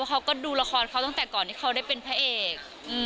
เขาก็ดูละครเขาตั้งแต่ก่อนที่เขาได้เป็นพระเอก